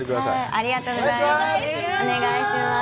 ありがとうございます。